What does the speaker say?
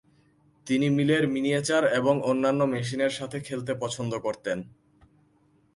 তিনি মিলের মিনিয়েচার এবং অন্যান্য মেশিনের সাথে খেলতে পছন্দ করতেন।